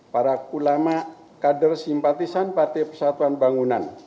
para ulama kader simpatisan partai persatuan bangunan